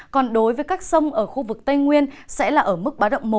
còn đối với các sông ở khu vực tây nguyên sẽ là ở mức báo động một